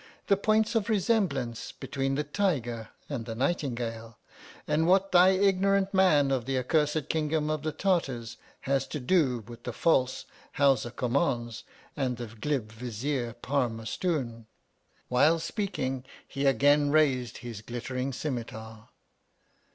the points of resem blance between the Tiger and the Nightin gale, and what thy ignorant man of the accursed kingdom of the Tartars has to do with the false Howsa Kummauns and the glib Vizier Parmarstoon 1 While speaking he again raised his glittering scimetar.